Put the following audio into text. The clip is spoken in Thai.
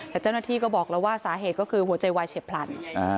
แต่เจ้าหน้าที่ก็บอกแล้วว่าสาเหตุก็คือหัวใจวายเฉียบพลัน